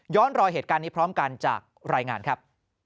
รอเหตุการณ์นี้พร้อมกันจากรายงานครับ